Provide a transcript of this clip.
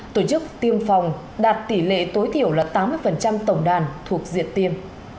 tổ chức tiêm phòng đạt tỷ lệ tối thiểu là tám mươi tổng đàn thuộc diện tiêm